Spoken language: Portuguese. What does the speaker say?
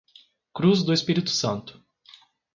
Cruz do Espírito Santo